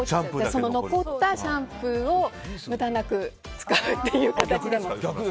その残ったシャンプーを無駄なく使うという形で。